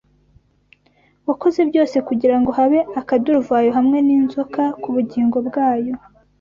wakoze byose kugirango habe akaduruvayo hamwe ninzoka kubugingo bwayo